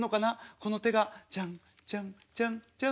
この手がジャンジャンジャンジャン！